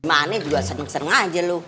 gimana juga sering sering aja loh